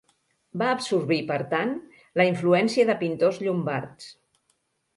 Va absorbir, per tant, la influència de pintors llombards.